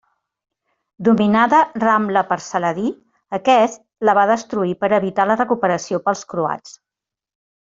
Dominada Ramla per Saladí, aquest la va destruir per evitar la recuperació pels croats.